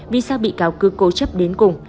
vì sao bị cáo cứ cố chấp đến cùng